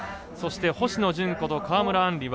そして、星野純子と川村あん